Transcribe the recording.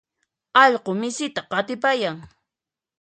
allqu misita qatipayan.